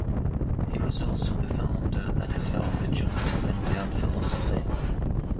He was also the founder editor of the "Journal of Indian Philosophy".